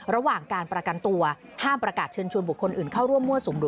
ระหว่างการประกันตัวห้ามประกาศเชิญชวนบุคคลอื่นเข้าร่วมมั่วสุมหรือ